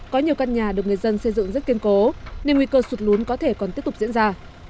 có nhiều căn nhà được người dân xây dựng rất kiên cố nên nguy cơ sụt lún có thể còn tiếp tục diễn ra